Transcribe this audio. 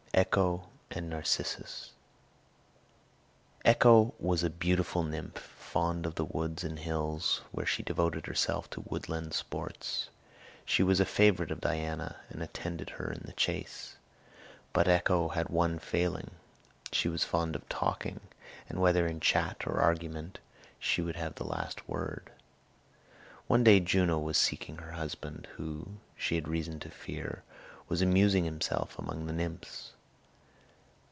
ECHO AND NARCISSUS Echo was a beautiful nymph, fond of the woods and hills, where she devoted herself to woodland sports. She was a favorite of Diana, and attended her in the chase. But Echo had one failing; she was fond of talking, and whether in chat or argument, would have the last word. One day Juno was seeking her husband, who, she had reason to fear, was amusing himself among the nymphs.